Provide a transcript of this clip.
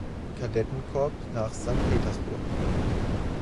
Kadettenkorps nach Sankt Petersburg.